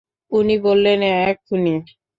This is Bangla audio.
উনি বললেন, এখুনি?